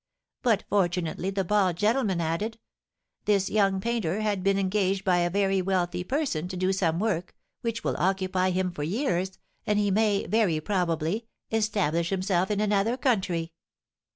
But, fortunately, the bald gentleman added, 'This young painter has been engaged by a very wealthy person to do some work, which will occupy him for years, and he may, very probably, establish himself in another country.'